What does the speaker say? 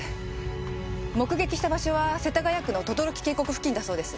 目撃した場所は世田谷区の等々力渓谷付近だそうです。